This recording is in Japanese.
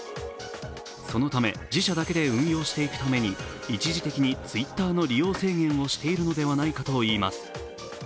そのため、自社だけで運用していくために、一時的にＴｗｉｔｔｅｒの利用制限をしているのではないかといいます。